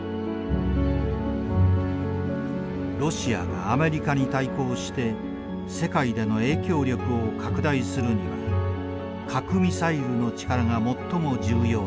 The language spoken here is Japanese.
ロシアがアメリカに対抗して世界での影響力を拡大するには核ミサイルの力が最も重要だ。